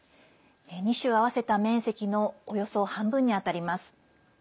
２州あわせた面積のおよそ半分に当たります。